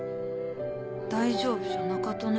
大丈夫じゃなかとね。